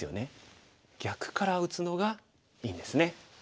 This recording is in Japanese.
逆から打つのがいいんですね。